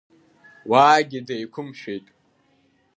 Уаагьы деиқәымшәеит.